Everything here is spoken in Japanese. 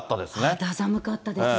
肌寒かったですね。